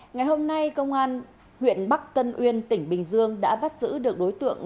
ngày hôm nay công an huyện bắc tân uyên tỉnh bình dương đã bắt giữ được đối tượng